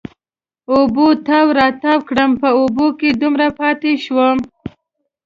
اوبو تاو را تاو کړم، په اوبو کې دومره پاتې شوم.